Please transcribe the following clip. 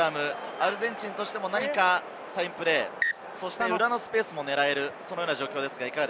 アルゼンチンとしても何かサインプレー、裏のスペースも狙える状況です。